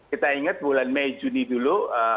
kita ingat bulan mei juni dulu